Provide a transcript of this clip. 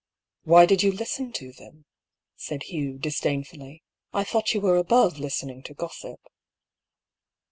"Why did you listen to them?" said Hugh, dis dainfully. "I thought you were above listening to gossip."